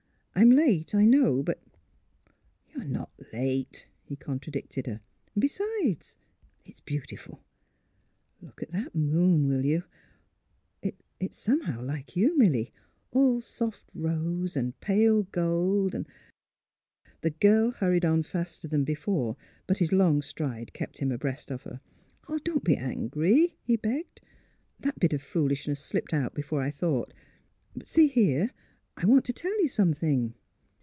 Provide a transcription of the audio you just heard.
''I'm late, I know, but "" You're not late," he contradicted her; and besides, it 's — beautiful ! Look at that moon ; will youf ... It's — somehow, like you, Milly — all soft rose and pale gold and " The girl hurried on faster than before, but his long stride kept him abreast of her. '' Don't be angry," he begged. '' That bit of foolishness slipped out before I thought. But — see here; I want to tell you something."